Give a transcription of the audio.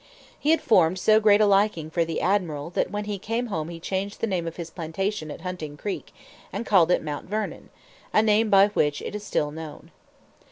He had formed so great a liking for the admiral that when he came home he changed the name of his plantation at Hunting Creek, and called it Mount Vernon a name by which it is still known.